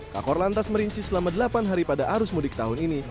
kakor lantas merinci selama delapan hari pada arus mudik tahun ini